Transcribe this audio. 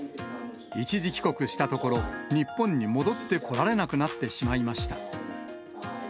一時帰国したところ、日本に戻ってこられなくなってしまいました。